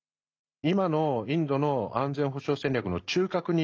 今のインドの安全保障戦略の中核に